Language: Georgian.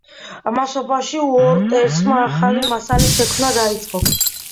ამასობაში უოტერსმა ახალი მასალის შექმნა დაიწყო.